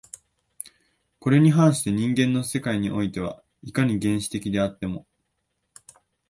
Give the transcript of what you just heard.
これに反して人間の世界においては、いかに原始的であっても